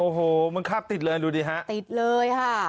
โอ้โหมันคาบติดเลยดูดิฮะติดเลยค่ะ